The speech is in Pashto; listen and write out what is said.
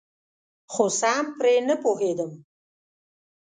خو سم پرې نپوهیدم.